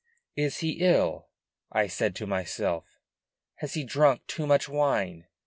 "Is he ill?" I said to myself. "Has he drunk too much wine?